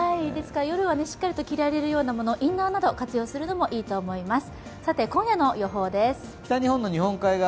夜はしっかりと着られるようなもの、インナーなどを活用されるのもいいと思います。